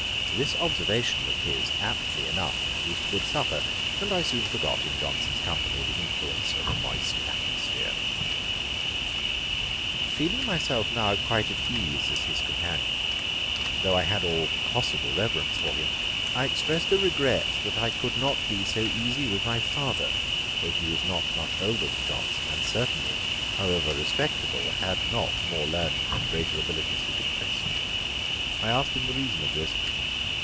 This observation of his aptly enough introduced a good supper; and I soon forgot, in Johnson's company, the influence of a moist atmosphere. [Page 427: Boswell's father. Ætat 54.] Feeling myself now quite at ease as his companion, though I had all possible reverence for him, I expressed a regret that I could not be so easy with my father, though he was not much older than Johnson, and certainly however respectable had not more learning and greater abilities to depress me. I asked him the reason of this.